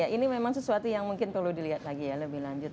ini memang sesuatu yang mungkin perlu dilihat lagi ya lebih lanjut